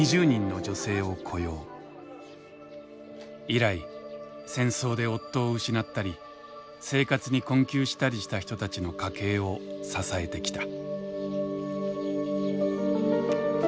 以来戦争で夫を失ったり生活に困窮したりした人たちの家計を支えてきた。